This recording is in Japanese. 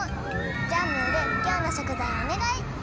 じゃあムールきょうのしょくざいおねがい！